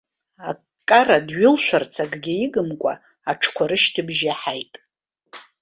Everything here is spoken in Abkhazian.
Аккара дҩылшәарц акгьы игымкәа, аҽқәа рышьҭыбжь иаҳаит.